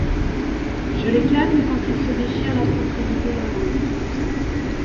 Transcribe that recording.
Je les calme quand ils se déchirent la propriété d’un ventre.